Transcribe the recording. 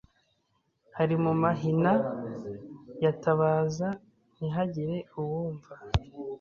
ari mu mahina yatabaza ntihagire uwumva.